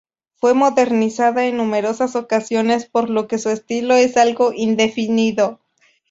Fue modernizada en numerosas ocasiones por lo que su estilo es algo indefinido.